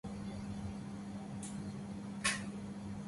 The album was co-released on the same day as "Lucky Town".